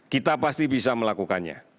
kita pasti bisa melakukannya